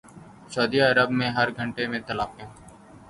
سعودی عرب میں ہر گھنٹے میں طلاقیں